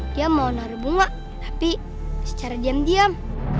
dia mau naruh bunga tapi secara diam diam